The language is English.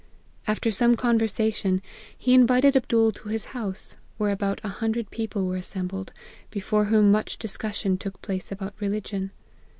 After some conversation, he invited Abdool to his house, where about a hundred people were assembled, before whom much discussion took place about religion.